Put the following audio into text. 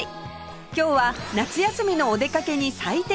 今日は夏休みのお出かけに最適！